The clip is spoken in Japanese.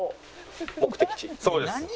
そうです。